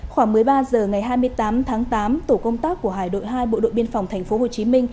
khoảng một mươi ba h ngày hai mươi tám tháng tám tổ công tác của hải đội hai bộ đội biên phòng tp hcm